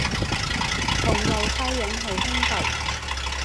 同猶太人係兄弟